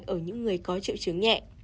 ở những người có triệu chứng nhẹ